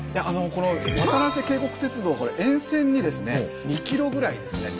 このわたらせ渓谷鉄道これ沿線にですね２ｋｍぐらいですね